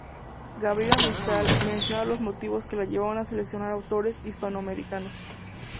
Gabriela Mistral menciona los motivos que la llevaron a seleccionar autores hispanoamericanos.